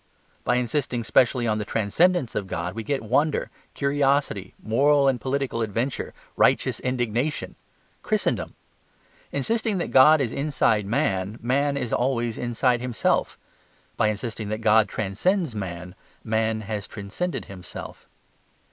By insisting specially on the transcendence of God we get wonder, curiosity, moral and political adventure, righteous indignation Christendom. Insisting that God is inside man, man is always inside himself. By insisting that God transcends man, man has transcended himself.